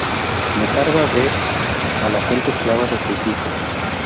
Me carga ver a la gente esclava de sus hijos.